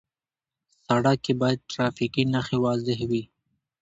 سړک کې باید ټرافیکي نښې واضح وي.